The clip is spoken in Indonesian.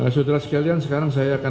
sudahlah sekalian sekarang saya beri pendapat